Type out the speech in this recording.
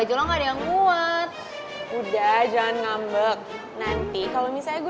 terus gara gara itu anak baru